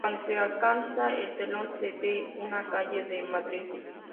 Cuando se alza el telón, se ve una calle de Madrid.